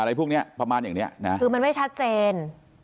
อะไรพวกเนี้ยประมาณอย่างเนี้ยนะคือมันไม่ชัดเจน